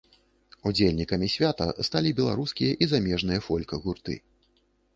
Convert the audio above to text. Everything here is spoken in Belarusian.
Удзельнікамі свята сталі беларускія і замежныя фольк-гурты.